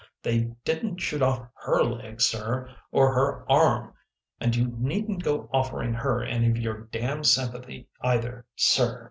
They didn t shoot off her leg, Sir, or her arm! And you needn t go offering her any of your damned sympathy either, Sir